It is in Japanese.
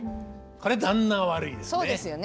これ旦那が悪いですね。